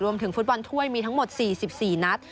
รวมถึงฟุตบอลถ้วยมีทั้งหมดสี่สิบสี่นัด